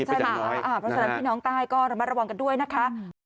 ใช่ค่ะสำหรับพี่น้องใต้ก็มาระวังกันด้วยนะคะ